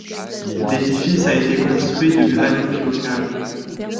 L'édifice a été construit de granit local.